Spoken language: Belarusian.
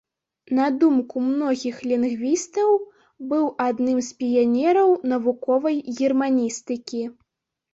На думку многіх лінгвістаў, быў адным з піянераў навуковай германістыкі.